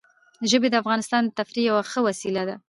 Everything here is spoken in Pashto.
ژبې د افغانانو د تفریح یوه ښه وسیله ده.